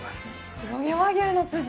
黒毛和牛のスジ。